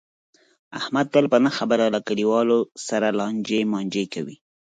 احمد تل په نه خبره له کلیواو سره لانجې مانجې کوي.